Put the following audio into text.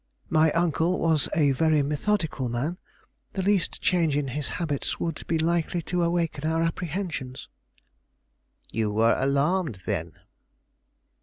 My uncle was a very methodical man; the least change in his habits would be likely to awaken our apprehensions." "You were alarmed, then?"